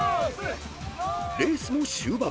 ［レースも終盤。